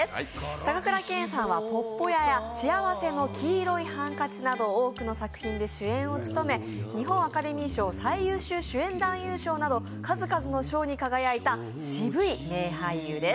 高倉健さんは「鉄道員」や「幸福の黄色いハンカチ」など多くの作品で主演を務め日本アカデミー賞、主演男優賞にも輝いた数々の賞に輝いたシブい名俳優です。